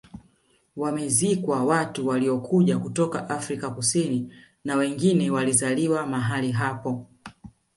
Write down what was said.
Wamezikwa watu waliokuja kutoka Afrika Kusini na wengine walizaliwa mahali hapo